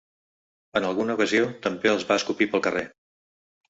En alguna ocasió també els va escopir pel carrer.